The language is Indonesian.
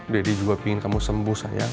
deddy juga pingin kamu sembuh saya